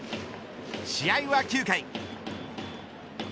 試合は９回。